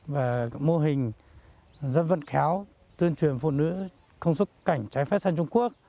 và mô hình dân vận khéo tuyên truyền phụ nữ không xuất cảnh trái phép sang trung quốc